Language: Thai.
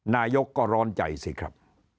นายกก็ร้อนใจสิครับ